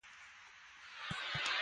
رومیان له خلکو سره مینه کوي